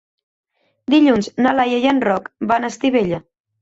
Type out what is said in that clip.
Dilluns na Laia i en Roc van a Estivella.